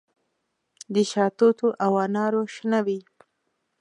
د شاتوتو او انارو شنه وي